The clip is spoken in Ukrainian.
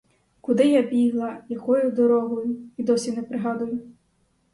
Куди я бігла, якою дорогою — і досі не пригадую.